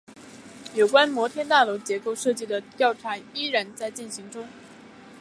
有关摩天大楼结构设计的调查依然在进行中。